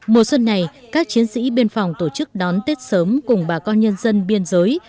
mùa xuân này các chiến sĩ biên phòng tổ chức đón tết sớm cùng bà con nhân dân biên giới